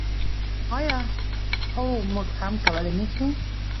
آیا او موږ هم کولی نشو؟